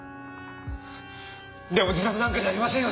でも自殺なんかじゃありませんよ